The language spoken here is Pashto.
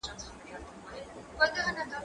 هغه وويل چي زده کړه مهمه ده؟